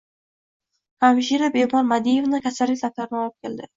Hamshira bemor Madievni kasallik daftarini olib keldi.